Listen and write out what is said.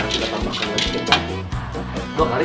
nanti dapat makan lagi